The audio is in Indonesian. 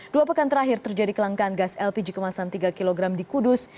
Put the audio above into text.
dua pekan terakhir terjadi kelangkaan gas lpg kemasan tiga kg di kudus